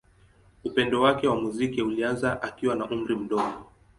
Upendo wake wa muziki ulianza akiwa na umri mdogo.